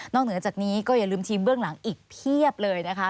เหนือจากนี้ก็อย่าลืมทีมเบื้องหลังอีกเพียบเลยนะคะ